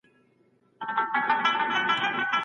ټولنه باید د مسلکي کسانو درناوی وکړي.